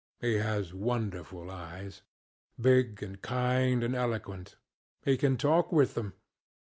He has wonderful eyesŌĆöbig, and kind, and eloquent. He can talk with them.